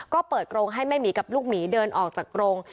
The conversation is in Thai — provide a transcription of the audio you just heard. ก็เปิดกรงให้แม่หมีกับลูกหมีเดินออกจากกรง